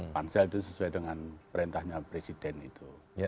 pansel itu sesuai dengan perintahnya presiden itu